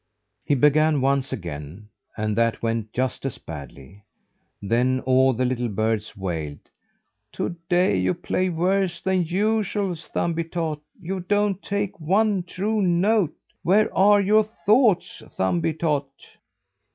He began once again, and that went just as badly. Then all the little birds wailed: "To day you play worse than usual, Thumbietot! You don't take one true note! Where are your thoughts, Thumbietot?"